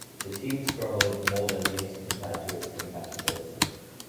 The team struggled more than least compared to its competitors.